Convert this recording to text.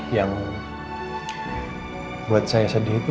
yang buat saya sedih itu